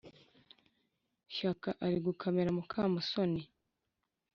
Shyaka ari gukamera mukamusoni